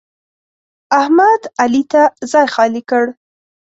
احمد؛ علي ته ځای خالي کړ.